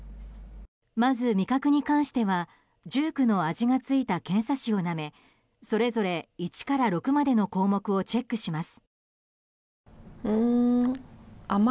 まず味覚に関しては１９の味がついた検査紙をなめそれぞれ１から６までの項目をチェックします。